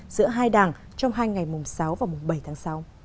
giữa hai đảng trong hai ngày mùng sáu và mùng bảy tháng sáu